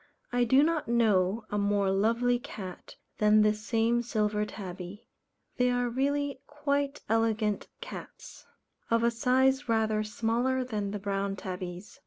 I do not know a more lovely cat than this same Silver Tabby. They are really quite elegant cats. Of a size rather smaller than the Brown Tabbies.